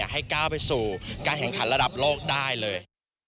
ให้ก้าวไปสู่การแข่งขันระดับโลกได้เลย